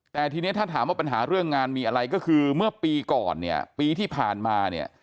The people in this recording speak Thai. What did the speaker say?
แต่ทีนี้ถ้าถามว่าปัญหาเรื่องงานมีอะไรก็คือเมื่อปีก่อนเนี่ยปีที่ผ่านมาเนี่ย